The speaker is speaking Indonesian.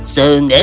sungguh di mana itu